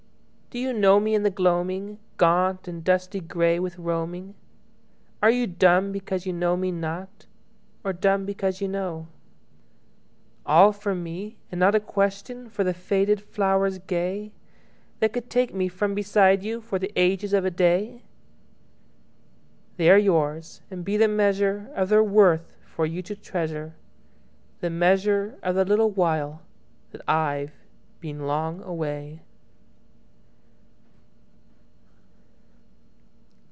Do you know me in the gloaming, Gaunt and dusty grey with roaming? Are you dumb because you know me not, Or dumb because you know? All for me? And not a questionFor the faded flowers gayThat could take me from beside youFor the ages of a day? They are yours, and be the measureOf their worth for you to treasure, The measure of the little whileThat I've been long away.